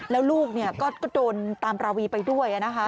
แล้วลูกก็โดนตามราวีไปด้วยนะคะ